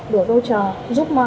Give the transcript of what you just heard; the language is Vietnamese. đổ rô trờ